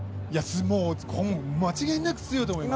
もう間違いなく強いと思います。